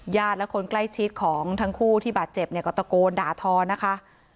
ญาติและคนใกล้ชีสของทั้งคู่ที่บาดเจ็บก็ตะโกนด่าทอนะคะ